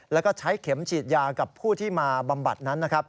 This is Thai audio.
และใช้เข็มฉีดยากับผู้ที่มาบำบัดนั้น